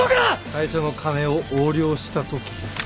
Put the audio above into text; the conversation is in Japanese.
会社の金を横領したとき？